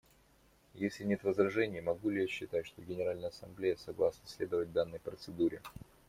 Если нет возражений, могу ли я считать, что Генеральная Ассамблея согласна следовать данной процедуре?